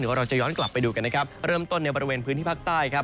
เดี๋ยวเราจะย้อนกลับไปดูกันนะครับเริ่มต้นในบริเวณพื้นที่ภาคใต้ครับ